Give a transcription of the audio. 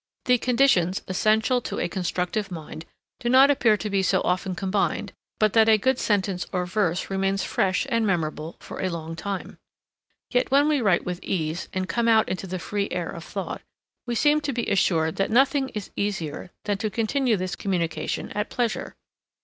The conditions essential to a constructive mind do not appear to be so often combined but that a good sentence or verse remains fresh and memorable for a long time. Yet when we write with ease and come out into the free air of thought, we seem to be assured that nothing is easier than to continue this communication at pleasure.